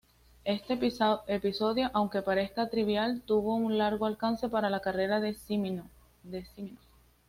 Este episodio, aunque parezca trivial, tuvo un largo alcance para la carrera de Cimino.